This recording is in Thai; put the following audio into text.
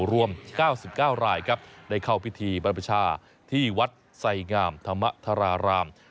รวม๙๙รายครับได้เข้าพิธีบรรพชาที่วัดไสงามธรรมธาราราม